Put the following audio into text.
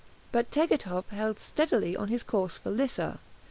But Tegethoff held steadily on his course for Lissa.